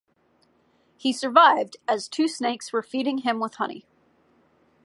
He survived, as two snakes were feeding him with honey.